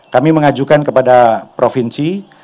kami mengajukan kepada provinsi